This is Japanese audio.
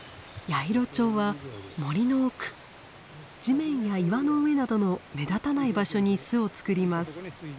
ヤイロチョウは森の奥地面や岩の上などの目立たない場所に巣を作ります。